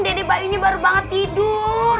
dede bayunya baru banget tidur